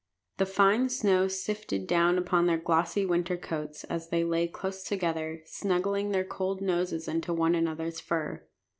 The fine snow sifted down upon their glossy winter coats as they lay close together, snuggling their cold noses into one another's fur.